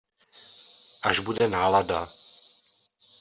Až bude nálada.